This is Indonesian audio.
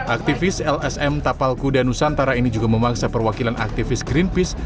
aktivis lsm tapal kuda nusantara ini juga memaksa perwakilan aktivis greenpeace